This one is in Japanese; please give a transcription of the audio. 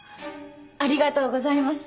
ありがとうございます。